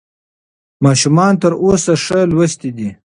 ماشومان تر اوسه ښه لوستي دي.